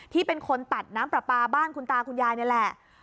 ที่เป็นคนตัดน้ำปลาปลาบ้านคุณตาคุณยายนี่แหละ